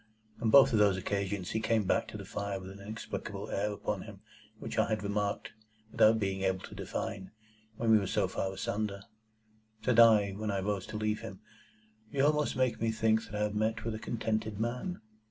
On both of those occasions, he came back to the fire with the inexplicable air upon him which I had remarked, without being able to define, when we were so far asunder. Said I, when I rose to leave him, "You almost make me think that I have met with a contented man."